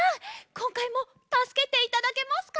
こんかいもたすけていただけますか？